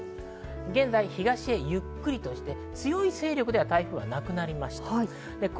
現在、東へゆっくりと移動して強い勢力ではなくなりました。